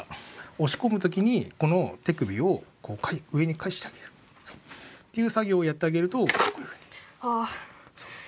押し込む時にこの手首を上に返してあげる。っていう作業をやってあげるとこういうふうに。